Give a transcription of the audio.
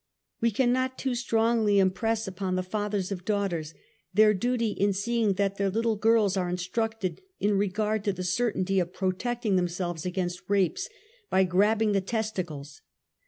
AVe cannot too strongly impress upon the fathers of daughters their duty in seeing that their little girls are instructed in regard to the certainty of \ y protecting themselves against rapes, by grabbing j .\the testicles.